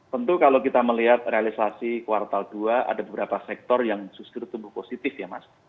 sektor yang justru tumbuh positif ya mas